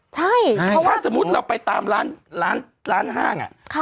ถ้าสมมุติเราไปตามร้านห้างอ่ะ